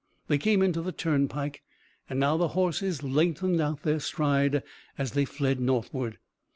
They came into the turnpike, and now the horses lengthened out their stride as they fled northward.